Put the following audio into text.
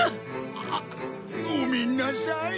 ああごめんなさい。